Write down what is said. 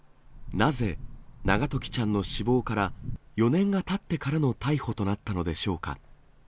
なぜ、永時ちゃんの死亡から４年がたってからの逮捕となったのでしょうか。